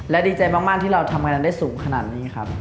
และดีใจมากที่เราทำงานนั้นได้สูงขนาดนี้ครับ